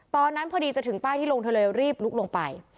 ตอนนั้นพอดีจะถึงป้ายที่ลงเธอเลยรีบลุกลงไป